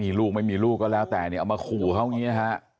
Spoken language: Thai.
มีลูกไม่มีลูกก็แล้วแต่เอามาขู่เขาเนี้ย